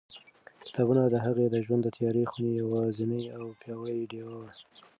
کتابونه د هغې د ژوند د تیاره خونې یوازینۍ او پیاوړې ډېوه وه.